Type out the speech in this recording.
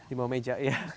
di bawah meja iya